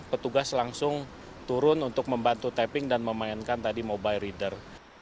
petugas langsung turun untuk membantu tapping dan memainkan tadi mobile reader